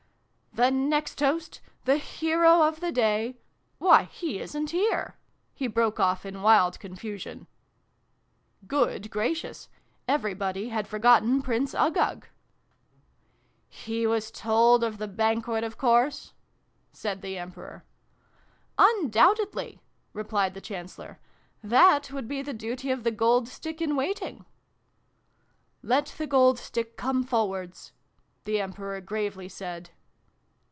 " The next toast the hero of the day why, he isn't here !" he broke off in wild confusion. Good gracious ! Everybody had forgotten Prince Uggug !" He was told of the Banquet, of course ?" said the Emperor. " Undoubtedly !" replied the Chancellor. " That would be the duty of the Gold Stick in Waiting." " Let the Gold Stick come forwards !" the Emperor gravely said.